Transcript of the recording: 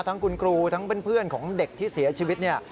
ทั้งคุณครูทั้งเพื่อนของเด็กที่เสียชีวิตเนี่ย